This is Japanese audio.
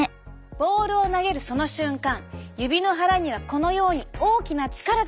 ボールを投げるその瞬間指の腹にはこのように大きな力がかかります。